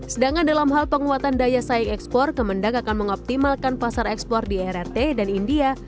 sedangkan dalam hal penguatan daya saing ekspor kemendak akan mengoptimalkan pasar ekspor di rrt dan india